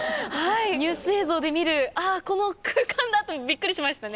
ニュース映像で見るこの空間だとビックリしましたね。